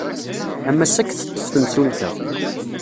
Am assa ad k-teṭṭef temsulta.